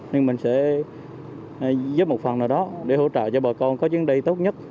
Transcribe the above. nhưng mình sẽ giúp một phần nào đó để hỗ trợ cho bà con có chuyến đi tốt nhất